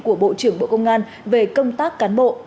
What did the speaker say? của bộ trưởng bộ công an về công tác cán bộ